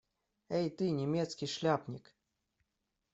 Эй ты, немецкий шляпник!